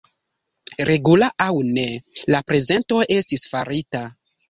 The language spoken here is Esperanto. Regula aŭ ne, la prezento estis farita.